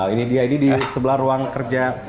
ini dia ini di sebelah ruang kerja